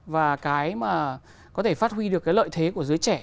và cái mà có thể phát huy được cái lợi thế của giới trẻ